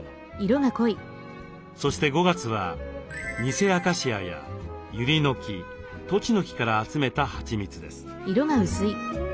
そして５月はニセアカシアやユリノキトチノキから集めたはちみつです。